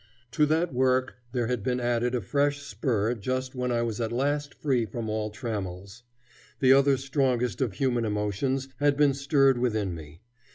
To that work there had been added a fresh spur just when I was at last free from all trammels. The other strongest of human emotions had been stirred within me.